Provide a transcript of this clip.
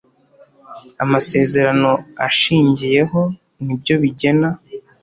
Amasezerano Ashingiyeho Ni Byo Bigena